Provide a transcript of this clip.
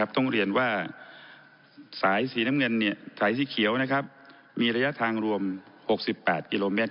ต้องเรียนว่าสายสีเขียวมีระยะทางรวม๖๘กิโลเมตร